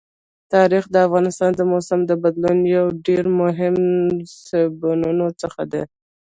تاریخ د افغانستان د موسم د بدلون یو له ډېرو مهمو سببونو څخه کېږي.